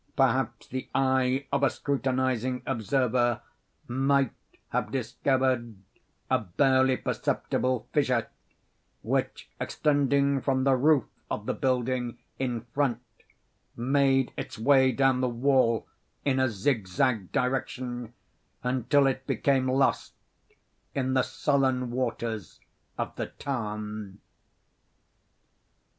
Perhaps the eye of a scrutinizing observer might have discovered a barely perceptible fissure, which, extending from the roof of the building in front, made its way down the wall in a zigzag direction, until it became lost in the sullen waters of the tarn.